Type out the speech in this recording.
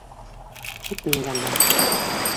Кит минең яндан